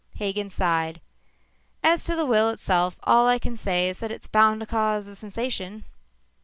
Hagen sighed. "As to the will itself, all I can say is that it's bound to cause a sensation."